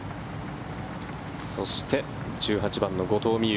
そして１８番の後藤未有。